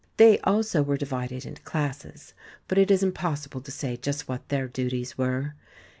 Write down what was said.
They also were divided into classes, but it is impossible to say just what their duties were.